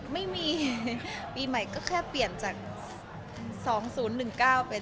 ไม่มีปีใหม่ก็แค่เปลี่ยนจาก๒๐๑๙เป็น